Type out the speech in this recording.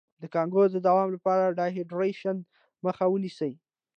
د کانګو د دوام لپاره د ډیهایډریشن مخه ونیسئ